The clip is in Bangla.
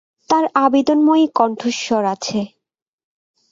তার আবেদনময়ী কণ্ঠস্বর আছে।